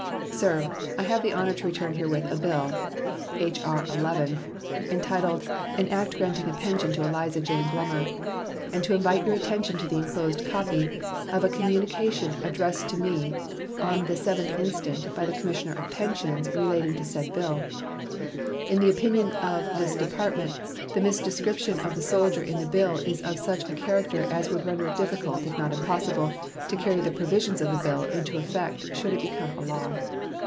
SIR: I have the honor to return herewith a bill (H.R. 11) entitled "An act granting a pension to Eliza Jane Blumer," and to invite your attention to the inclosed copy of a communication addressed to me on the 7th instant by the Commissioner of Pensions, relating to said bill. In the opinion of this Department the misdescription of the soldier in the bill is of such a character as would render it difficult, if not impossible, to carry the provisions of the bill into effect should it become a law.